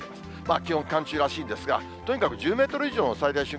気温、寒中らしいんですが、とにかく１０メートル以上の最大瞬間